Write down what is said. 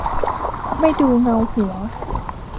ไม่ดูเงาหัว